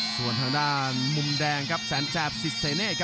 ส่วนทางด้านมุมแดงครับแสนแจบสิทธเสเนธ